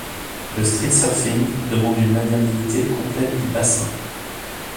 Le Street Surfing demande une maniabilité complète du bassin.